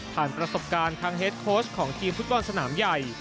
ประสบการณ์ทางเฮดโค้ชของทีมฟุตบอลสนามใหญ่